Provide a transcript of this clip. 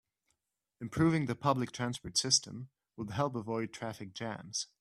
Improving the public transport system would help avoid traffic jams.